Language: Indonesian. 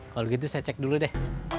kalau gitu saya cek dulu deh